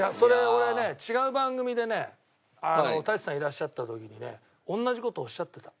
俺ね違う番組でね舘さんいらっしゃった時にね同じ事おっしゃってた。